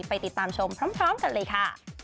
ไปติดตามชมพร้อมกันเลยค่ะ